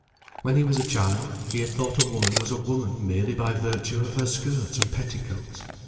When he was a child, he had thought a woman was a woman merely by virtue of her skirts and petticoats.